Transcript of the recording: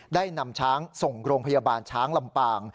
ได้นำช้างส่งโรงพยาบาลช้างลำปาง